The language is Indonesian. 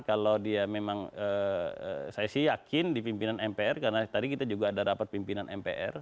kalau dia memang saya sih yakin di pimpinan mpr karena tadi kita juga ada rapat pimpinan mpr